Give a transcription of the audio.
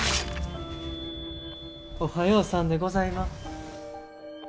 おはようさんでございます。